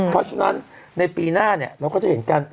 เพราะฉะนั้นในปีหน้าเนี่ยเราก็จะเห็นกัน